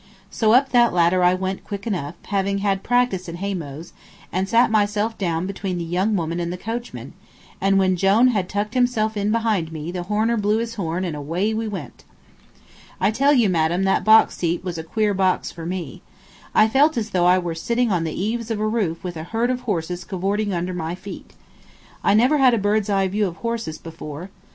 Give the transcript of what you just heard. So up that ladder I went quick enough, having had practice in hay mows, and sat myself down between the young woman and the coachman, and when Jone had tucked himself in behind me the horner blew his horn and away we went. [Illustration: "I looked at the ladder and at the top front seat"] I tell you, madam, that box seat was a queer box for me. I felt as though I was sitting on the eaves of a roof with a herd of horses cavoorting under my feet. I never had a bird's eye view of horses before.